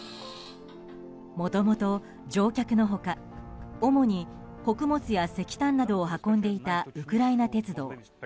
もともと、乗客の他主に、穀物や石炭などを運んでいたウクライナ鉄道。